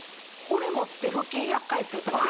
これ持って腹筋１００回するとか？